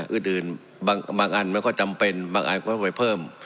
อื้ดอื่นบางอันมันก็จำเป็นบางอันก็เพิ่ม